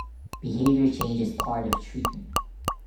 Behavior change is part of treatment.